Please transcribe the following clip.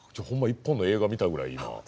１本の映画見たぐらい今。